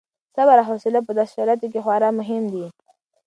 صبر او حوصله په داسې شرایطو کې خورا مهم دي.